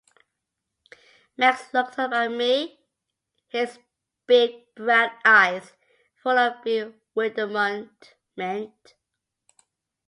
Max looked up at me, his big brown eyes full of bewilderment.